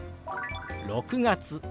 「６月」